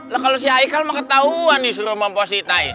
lah kalau si heikel mah ketahuan disuruh mempositain